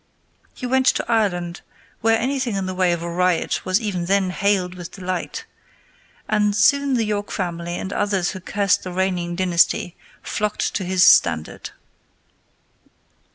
He went to Ireland, where anything in the way of a riot was even then hailed with delight, and soon the York family and others who cursed the reigning dynasty flocked to his standard.